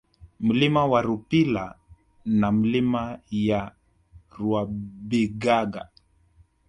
Mlima wa Rupila na Milima ya Rwabigaga